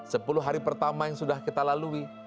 sepuluh hari pertama yang sudah kita lalui